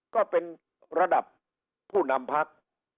ก็เป็นระดับผู้นำพัก